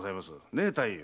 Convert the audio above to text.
ねえ太夫？